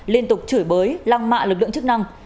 liên tục chửi bới lăng mạ lực lượng chức năng